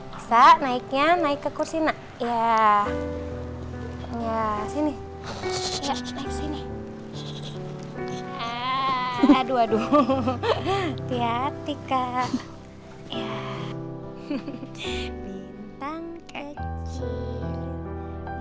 bisa naiknya naik ke kursi nak ya ya sini sini aduh aduh hati hati kak ya bintang kecil